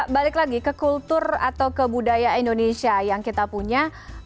balik lagi ke kultur atau ke budaya indonesia yang kita punya